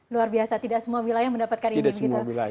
luar biasa tidak semua wilayah mendapatkan ini begitu